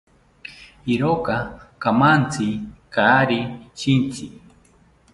Iroka kamantzi kaari shintzi